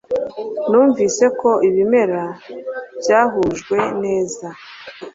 Numvise ko ibimera byahujwe neza